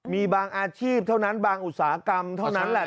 มีบางอาชีพเท่านั้นบางอุตสาหกรรมเท่านั้นแหละ